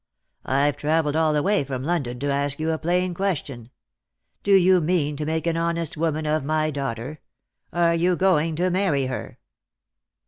I've travelled all the way from London to ask you a plain question. Do you mean to make an honest woman of my daughter ? Are you going to marry her